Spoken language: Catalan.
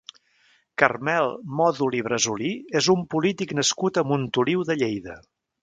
Carmel Mòdol i Bresolí és un polític nascut a Montoliu de Lleida.